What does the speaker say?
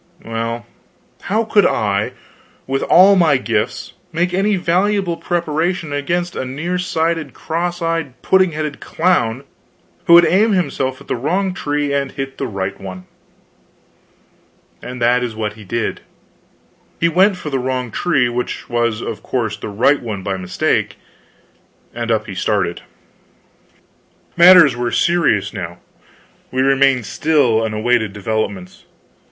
Well, how could I, with all my gifts, make any valuable preparation against a near sighted, cross eyed, pudding headed clown who would aim himself at the wrong tree and hit the right one? And that is what he did. He went for the wrong tree, which was, of course, the right one by mistake, and up he started. Matters were serious now. We remained still, and awaited developments.